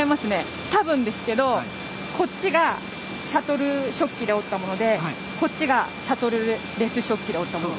多分ですけどこっちがシャトル織機で織ったものでこっちがシャトルレス織機で織ったもの。